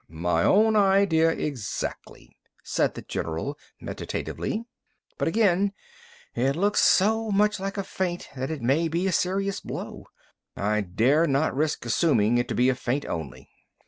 "My own idea exactly," said the general meditatively. "But again, it looks so much like a feint that it may be a serious blow. I dare not risk assuming it to be a feint only."